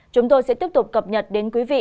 chúng tôi sẽ tiếp tục cập nhật đến quý vị